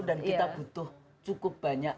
kita butuh cukup banyak